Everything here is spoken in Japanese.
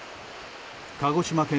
鹿児島県